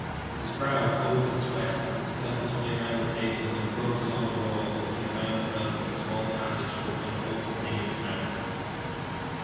His brow cold with sweat, he felt his way round the table, and groped along the wall until he found himself in the small passage with the unwholesome thing in his hand.